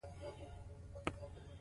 پسه د افغان ماشومانو د زده کړې موضوع ده.